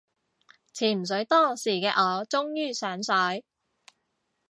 潛水多時嘅我終於上水